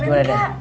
wah keren kak